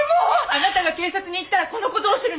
あなたが警察に行ったらこの子どうするの？